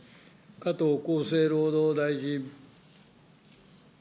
加藤厚生労働大臣。